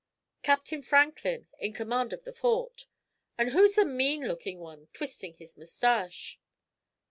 "Captain Franklin, in command of the Fort." "And who's the mean looking one, twisting his mustache?"